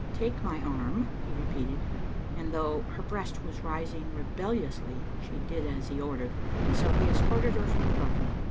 "Take my arm," he repeated, and, though her breast was rising rebelliously, she did as he ordered, and so he escorted her from the garden.